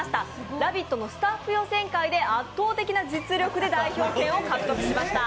「ラヴィット！」のスタッフ予選会で圧倒的な実力で代表権を獲得しました。